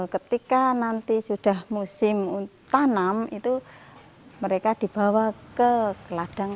ketika nanti sudah musim tanam itu mereka dibawa ke ladang